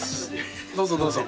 どうぞどうぞ。